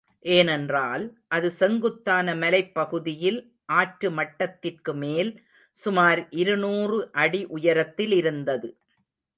எனென்றால், அது செங்குத்தான மலைப்பகுதியில் ஆற்றுமட்டத்திற்குமேல் சுமார் இரு நூறு அடி உயரத்திலிருந்தது.